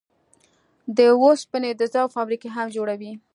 د اوسپنې د ذوب فابريکې هم جوړوي.